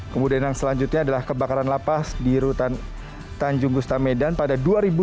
kemudian yang selanjutnya adalah kebakaran lapas di rutan tanjung gustamedan pada dua ribu dua puluh